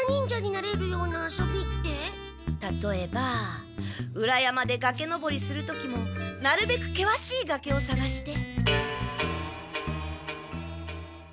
たとえば裏山でがけ登りする時もなるべくけわしいがけをさがして。